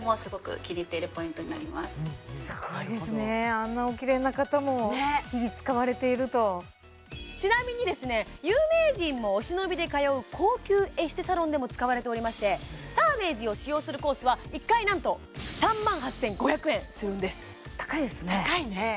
あんなおきれいな方も日々使われているとちなみにですね有名人もお忍びで通う高級エステサロンでも使われておりましては１回なんと３万８５００円するんです高いですね高いね